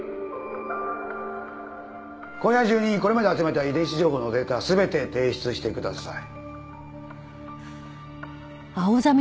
今夜中にこれまで集めた遺伝子情報のデータ全て提出してください。